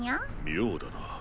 妙だな。